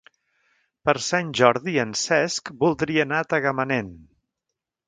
Per Sant Jordi en Cesc voldria anar a Tagamanent.